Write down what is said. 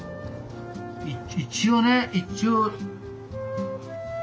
一応ね一応。